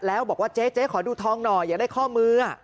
แล้วบอกว่าเจ๊ขอดูทองหน่อยอย่าได้ข้อมือ